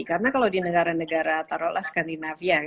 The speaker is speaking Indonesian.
karena kalau di negara negara tarotlah skandinavia